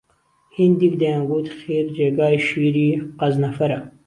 هينديک دهیانگوت خیر جێگای شییری قهزنهفهره